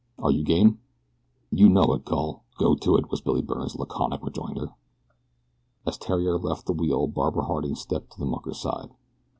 Are you game?" "You know it, cul go to 't," was Billy Byrne's laconic rejoinder. As Theriere left the wheel Barbara Harding stepped to the mucker's side.